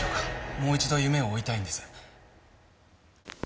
もう一度夢を追いたいんです。